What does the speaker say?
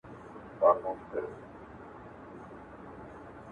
پدې سره کېدای سي چي